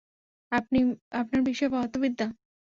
আপনার বিষয় পদার্থবিদ্যা।